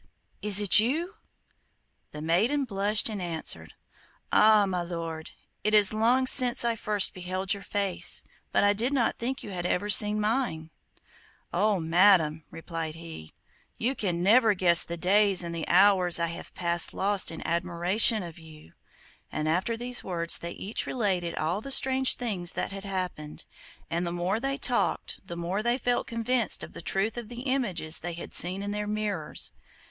Is it you?' The maiden blushed and answered: 'Ah, my lord, it is long since I first beheld your face, but I did not think you had ever seen mine.' 'Oh, madam,' replied he, 'you can never guess the days and the hours I have passed lost in admiration of you.' And after these words they each related all the strange things that had happened, and the more they talked the more they felt convinced of the truth of the images they had seen in their mirrors.